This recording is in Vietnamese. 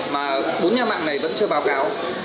mà bốn nhà mạng này vẫn chưa báo cáo